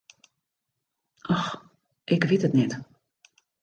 Och, ik wit it net.